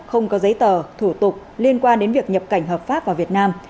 không có giấy tờ thủ tục liên quan đến việc nhập cảnh hợp pháp vào việt nam